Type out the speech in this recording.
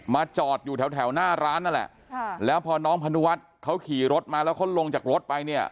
จอดอยู่แถวแถวหน้าร้านนั่นแหละค่ะแล้วพอน้องพนุวัฒน์เขาขี่รถมาแล้วเขาลงจากรถไปเนี่ย